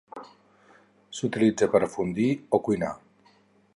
S'utilitza per a fondue o cuinar.